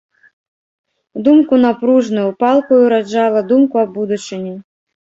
Думку напружную, палкую раджала, думку аб будучыні.